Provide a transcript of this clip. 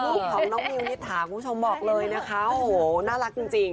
ลูกของน้องมิวนิถาคุณผู้ชมบอกเลยนะคะโอ้โหน่ารักจริง